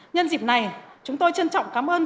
nhân dịp này chúng tôi trân trọng cảm ơn